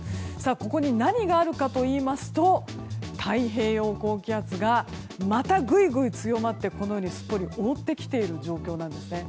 ここに何があるかというと太平洋高気圧がまたグイグイ強まってすっぽりと覆ってきている状況です。